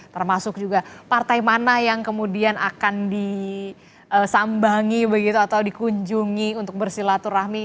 termasuk juga partai mana yang kemudian akan disambangi begitu atau dikunjungi untuk bersilaturahmi